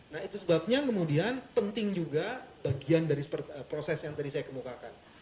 nah itu sebabnya kemudian penting juga bagian dari proses yang tadi saya kemukakan